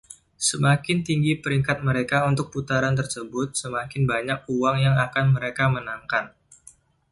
Semakin tinggi peringkat mereka untuk putaran tersebut, semakin banyak uang yang akan mereka menangkan.